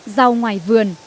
rau ngoài vườn